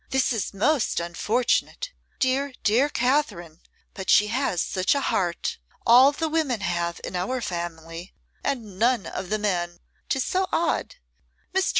'This is most unfortunate. Dear, dear Katherine, but she has such a heart! All the women have in our family, and none of the men, 'tis so odd. Mr.